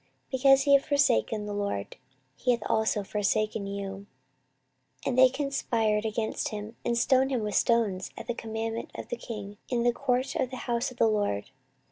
because ye have forsaken the LORD, he hath also forsaken you. 14:024:021 And they conspired against him, and stoned him with stones at the commandment of the king in the court of the house of the LORD.